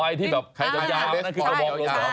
อ๋อไอ้ที่แบบยาวนั้นคือกระบองลม